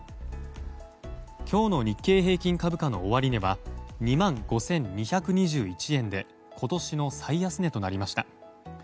今日の日経平均株価の終値は２万５２２１円で今年の最安値となりました。